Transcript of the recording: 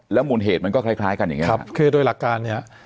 มูลเหตุมันก็คล้ายคล้ายกันอย่างเงี้ครับคือโดยหลักการเนี่ย